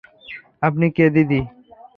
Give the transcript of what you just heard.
আপনি কে, দিদি?